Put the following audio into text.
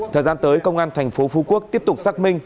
thời gian tới công an thành phố phú quốc tiếp tục xác minh